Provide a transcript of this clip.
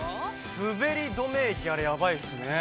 ◆すべり止め液あれ、やばいですね。